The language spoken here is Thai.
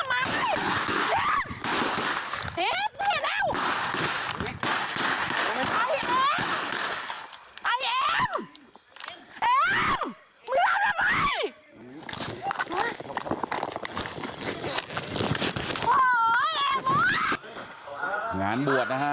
เอกมึงรับทำไม